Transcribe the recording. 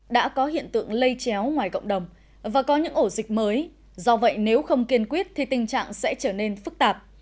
đã có hiện tượng lây chéo ngoài cộng đồng và có những ổ dịch mới do vậy nếu không kiên quyết thì tình trạng sẽ trở nên phức tạp